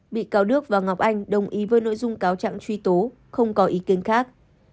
bị cáo đức và ngọc anh đồng ý với nội dung cáo trạng truy tố không có ý kiến khác